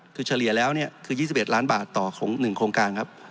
คือเฉลี่ยแล้วเนี่ยคือ๒๑ล้านบาทต่อ๑โครงการครับ